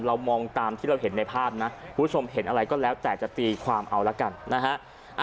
เรามองตามที่เราเห็นในภาพนะคุณผู้ชมเห็นอะไรก็แล้วแต่จะตีความเอาละกันนะฮะ